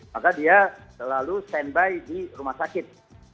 maka dia selalu stand by di rumah sakit